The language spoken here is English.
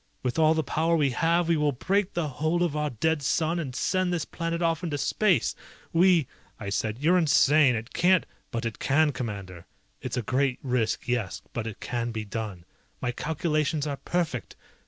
With all the power we have we will break the hold of our dead sun and send this planet off into space! We ..." I said, "You're insane! It can't ..." "But it can, Commander. It's a great risk, yes, but it can be done, my calculations are perfect!